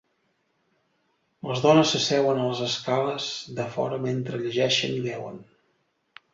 Les dones s'asseuen a les escales de fora mentre llegeixen i beuen.